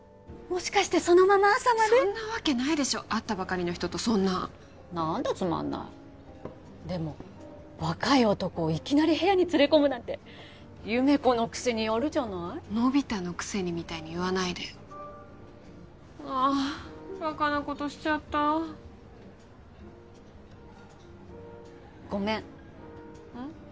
もしかしてそのまま朝までそんなわけないでしょ会ったばかりの人とそんななーんだつまんないでも若い男をいきなり部屋に連れ込むなんて優芽子のくせにやるじゃないのび太のくせにみたいに言わないであバカなことしちゃったごめんうん？